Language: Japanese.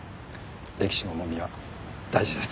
歴史の重みは大事です。